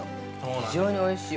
非常においしい。